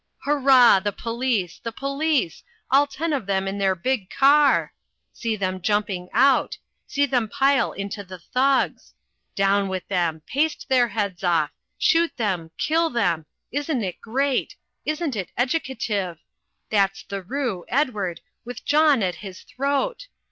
Hoorah! the police! the police! all ten of them in their big car see them jumping out see them pile into the thugs! Down with them! paste their heads off! Shoot them! Kill them! isn't it great isn't it educative that's the Roo Edward with John at his throat!